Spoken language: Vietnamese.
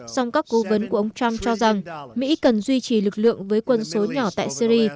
song các cố vấn của ông trump cho rằng mỹ cần duy trì lực lượng với quân số nhỏ tại syri